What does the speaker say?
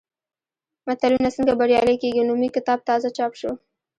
ملتونه څنګه بریالي کېږي؟ نومي کتاب تازه چاپ شو.